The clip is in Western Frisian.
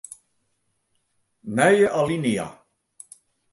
Nije alinea.